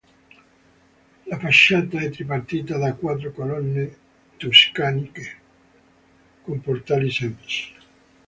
La facciata è tripartita da quattro colonne tuscaniche con portali semplici.